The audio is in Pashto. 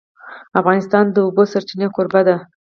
افغانستان د د اوبو سرچینې کوربه دی.